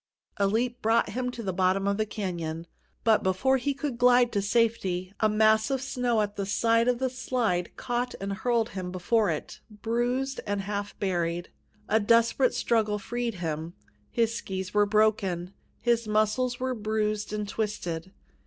A leap brought him to the bottom of the canyon. But before he could glide to safety, a mass of snow at the side of the slide caught and hurled him before it, bruised and half buried. A desperate struggle freed him. His skis were broken, his muscles were bruised and twisted.